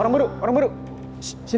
emang enak lu gua kerjain